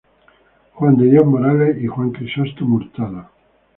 Juan de Dios Morales y Juan Crisóstomo Hurtado.